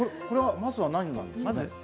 これはまずは何なんですかね？